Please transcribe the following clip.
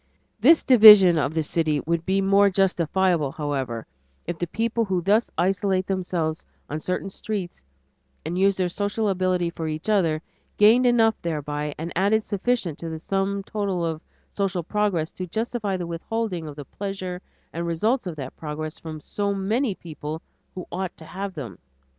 This division of the city would be more justifiable, however, if the people who thus isolate themselves on certain streets and use their social ability for each other, gained enough thereby and added sufficient to the sum total of social progress to justify the withholding of the pleasures and results of that progress from so many people who ought to have them.